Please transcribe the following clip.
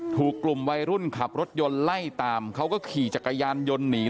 ถูกกลุ่มวัยรุ่นขับรถยนต์ไล่ตามเขาก็ขี่จักรยานยนต์หนี